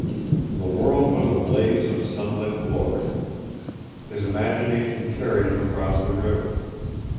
The world was a blaze of sunlit glory. His imagination carried him across the river.